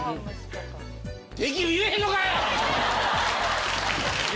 定休日言えへんのかい！